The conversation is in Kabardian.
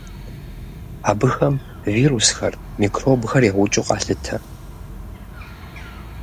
Абыхэм вирусхэр, микробхэр яукӏыу къалъытэ.